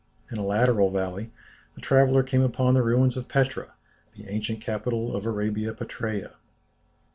In a lateral valley, the traveller came upon the ruins of Petra, the ancient capital of Arabia Petræa.